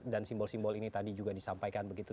dan simbol simbol ini tadi juga disampaikan begitu